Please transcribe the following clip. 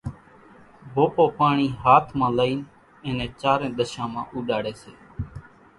ڀوپوپاڻي ھاٿ مان لئين اين نين چارين ۮشان مان اُوڏاڙي سي